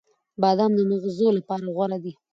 • بادام د مغزو لپاره غوره دی.